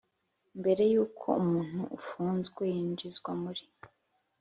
Mbere y uko umuntu ufunzwe yinjizwa muri